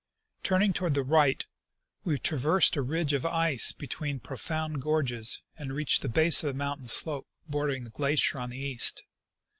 Turn ing toward the right, we traversed a ridge of ice between profound gorges and reached the base of the mountain slope bordering the glacier on the east.